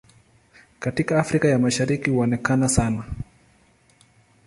Katika Afrika ya Mashariki huonekana sana.